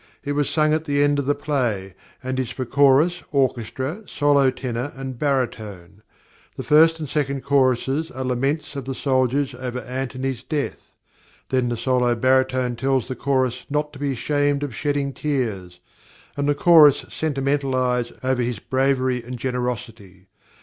It was sung at the end of the play, and is for chorus, orchestra, solo tenor and baritone. The first and second choruses are laments of the soldiers over Antony's death; then the solo baritone tells the chorus not to be ashamed of shedding tears, and the chorus sentimentalise over his bravery and generosity.